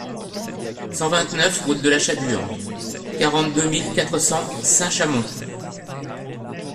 cent vingt-neuf route de la Chabure, quarante-deux mille quatre cents Saint-Chamond